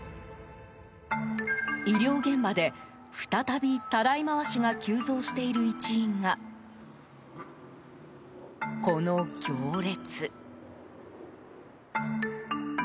医療現場で再びたらい回しが急増している一因が、この行列。